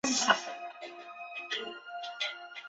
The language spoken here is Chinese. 其语与鲜卑颇异。